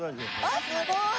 あっすごい！